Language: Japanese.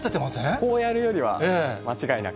こうやるよりは、間違いなく。